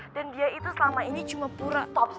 dan dia itu selama ini cuma pura pura